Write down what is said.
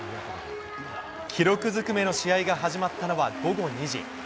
記録ずくめの試合が始まったのは、午後２時。